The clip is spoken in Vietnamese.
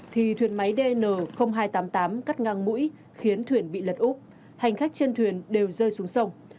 thì thuyền máy dn hai trăm tám mươi tám cắt ngang mũi khiến thuyền bị lật úp hành khách trên thuyền đều rơi xuống sông